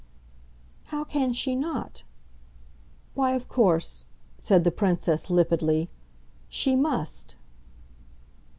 "How can she 'not'? Why, of course," said the Princess limpidly, "she MUST!"